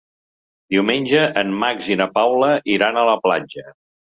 Diumenge en Max i na Paula iran a la platja.